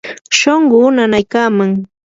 shunquu nanaykaman.